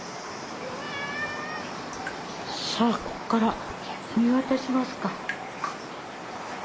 さあここから見渡しますか。